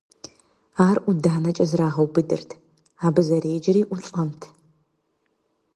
Ар ӀуданэкӀэ зэрагъэубыдырт, абы зэреджэри ӏулӏэнт.